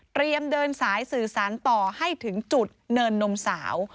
เดินสายสื่อสารต่อให้ถึงจุดเนินนมสาว